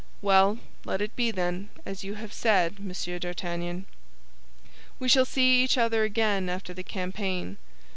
"Well, let it be, then, as you have said, Monsieur d'Artagnan; we shall see each other again after the campaign.